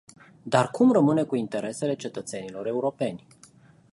Dar cum rămâne cu interesele cetățenilor europeni?